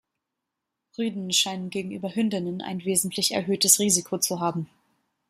Rüden scheinen gegenüber Hündinnen ein wesentlich erhöhtes Risiko zu haben.